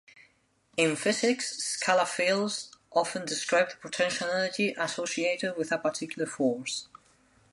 In physics, scalar fields often describe the potential energy associated with a particular force.